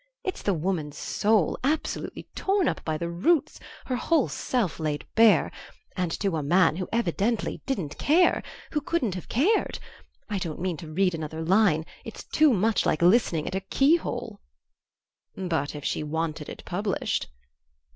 "It's the woman's soul, absolutely torn up by the roots her whole self laid bare; and to a man who evidently didn't care; who couldn't have cared. I don't mean to read another line; it's too much like listening at a keyhole." "But if she wanted it published?"